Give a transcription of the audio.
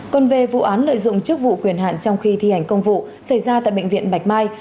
còn về vụ án lợi dụng chức vụ quyền hạn trong khi thi hành công vụ xảy ra tại bệnh viện bạch mai